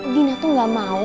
dina tuh gak mau